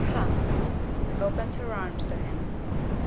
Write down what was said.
Come! [Opens her arms to him.